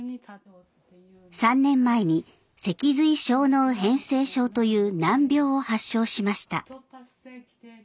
３年前に脊髄小脳変性症という難病を発症しました。